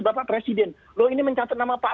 bapak presiden loh ini mencatat nama pak